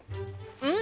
うん！